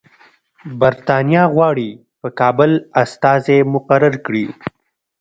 برټانیه غواړي په کابل استازی مقرر کړي.